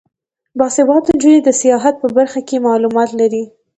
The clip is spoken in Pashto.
باسواده نجونې د سیاحت په برخه کې معلومات لري.